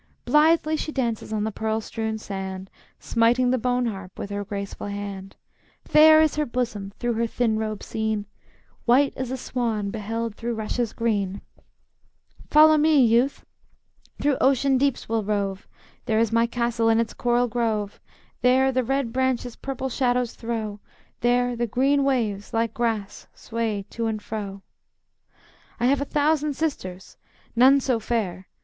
Blithely she dances on the pearl strewn sand, Smiting the bone harp with her graceful hand. Fair is her bosom, through her thin robe seen, White as a swan beheld through rushes green, "Follow me, youth! through ocean deeps we'll rove; There is my castle in its coral grove; There the red branches purple shadows throw, There the green waves, like grass, sway to and fro, "I have a thousand sisters; none so fair.